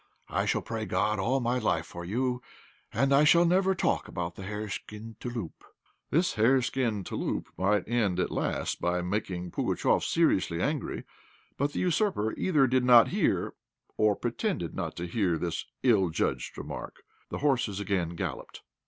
I shall pray God all my life for you, and I'll never talk about the hareskin 'touloup.'" This hareskin "touloup" might end at last by making Pugatchéf seriously angry. But the usurper either did not hear or pretended not to hear this ill judged remark. The horses again galloped.